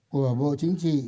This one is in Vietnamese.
của bộ chính trị